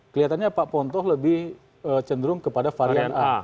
kelihatannya pak ponto lebih cenderung kepada varian a